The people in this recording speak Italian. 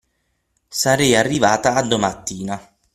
Sarei arrivata a domattina.